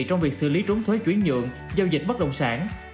trúng thuế chuyển nhượng giao dịch bất động sản